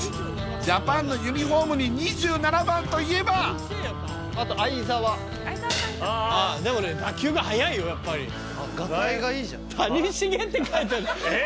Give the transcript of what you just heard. ジャパンのユニフォームに２７番といえばあと會澤會澤さんかでもね打球が速いよやっぱりあっがたいがいいじゃん「タニシゲ」って書いてあるえっ？